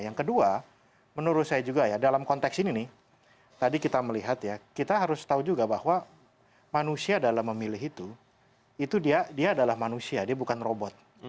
yang kedua menurut saya juga ya dalam konteks ini nih tadi kita melihat ya kita harus tahu juga bahwa manusia dalam memilih itu itu dia adalah manusia dia bukan robot